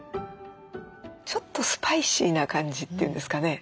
ちょっとスパイシーな感じというんですかね。